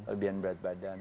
lebih berat badan